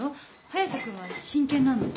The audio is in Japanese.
早瀬君は真剣なの。